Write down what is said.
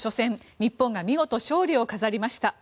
日本が見事、勝利を飾りました。